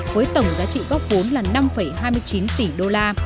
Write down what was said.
với tổng giá trị góp vốn là chín năm tỷ đô la